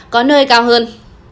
có nơi cao hơn